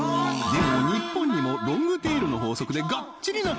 でも日本にもロングテールの法則でがっちり！！